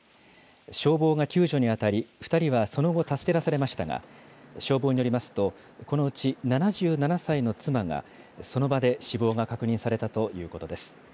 消防が救助に当たり、２人はその後、助け出されましたが、消防によりますと、このうち７７歳の妻が、その場で死亡が確認されたということです。